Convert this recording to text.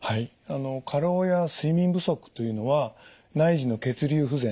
あの過労や睡眠不足というのは内耳の血流不全